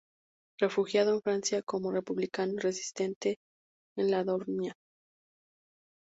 Refugiado en Francia como republicano y resistente en la Dordoña.